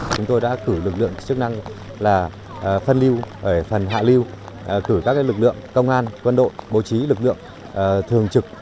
chúng tôi đã cử lực lượng chức năng phân lưu ở phần hạ lưu cử các lực lượng công an quân đội bố trí lực lượng thường trực